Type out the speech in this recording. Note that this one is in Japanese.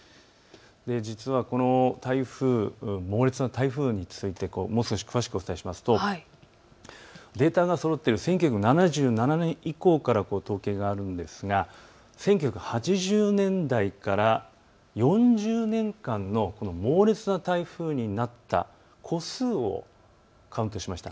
実はこの台風、猛烈な台風についてもう少し詳しくお伝えしますとデータがそろっている１９７７年以降から統計があるんですが１９８０年代から４０年間の猛烈な台風になった個数をカウントしました。